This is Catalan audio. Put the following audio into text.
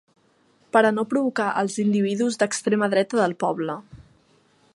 Per a no provocar els individus d'extrema dreta del poble.